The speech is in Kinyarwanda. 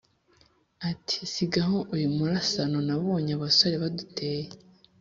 ati: sigaho uyu murasano nabonye abasore baduteye.